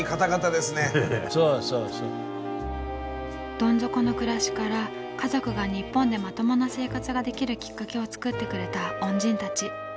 どん底の暮らしから家族が日本でまともな生活ができるきっかけを作ってくれた恩人たち。